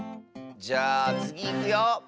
じゃあつぎいくよ。